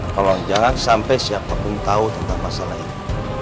kalau jangan sampai siapapun tahu tentang masalah ini